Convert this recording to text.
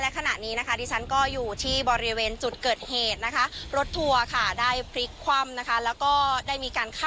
คุณผู้ชมค่ะและขณะนี้นะคะ